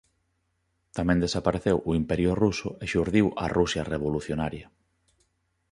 Tamén desapareceu o Imperio Ruso e xurdiu a Rusia revolucionaria.